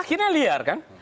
akhirnya liar kan